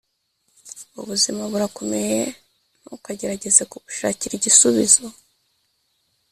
ubuzima burakomeye ntukagerageze kubushakira igisubizo